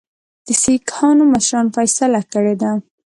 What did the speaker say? د سیکهانو مشرانو فیصله کړې ده.